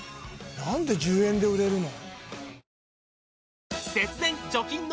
何で１０円で売れるの？